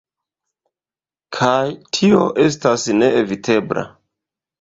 Kaj tio estas neevitebla.